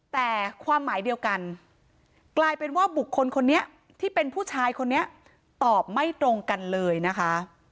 แต่ความหมายเดียวกันกลายเป็นว่าบุคคลคนนี้ที่เป็นผู้ชายคนนี้ตอบไม่ตรงกันเลยนะคะ